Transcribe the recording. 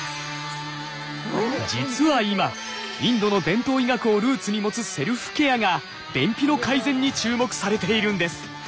実は今インドの伝統医学をルーツに持つセルフケアが便秘の改善に注目されているんです！